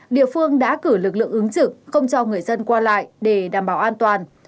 địa phương đã cử lực lượng ứng trực không cho người dân qua lại để đảm bảo an toàn